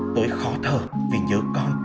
tới khó thở vì nhớ con